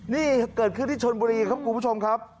นี่เกิดขึ้นที่ชนบุรีครับคุณผู้ชมครับ